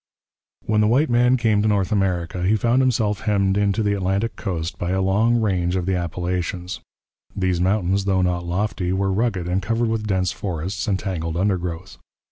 When the white man came to North America, he found himself hemmed in to the Atlantic coast by the long range of the Appalachians. These mountains, though not lofty, were rugged and covered with dense forests and tangled undergrowth.